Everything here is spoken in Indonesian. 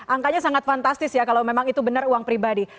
angkanya sangat fantastis ya kalau memang itu benar uang pribadi